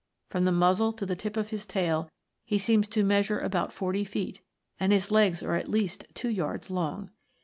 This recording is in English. From the muzzle to the tip of his tail he seems to measure about forty feet, and his legs are at least two yards long.